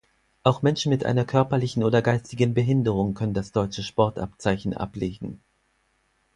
Auch Menschen mit einer körperlichen oder geistigen Behinderung können das Deutsche Sportabzeichen ablegen.